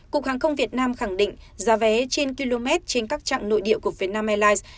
cục hàng không việt nam khẳng định giá vé trên km trên các trạng nội địa của vietnam airlines